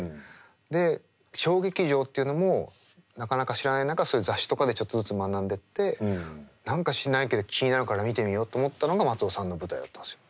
で小劇場っていうのもなかなか知らない中そういう雑誌とかでちょっとずつ学んでって何か知んないけど気になるから見てみようと思ったのが松尾さんの舞台だったんですよ。